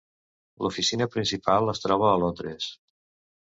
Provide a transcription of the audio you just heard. L'oficina principal es troba a Londres.